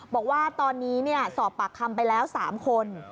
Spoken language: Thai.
บอกว่าตอนนี้สอบปากคำไปแล้ว๓คน